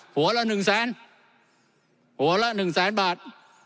หัวละหนึ่งแสนหัวละหนึ่งแสนบาท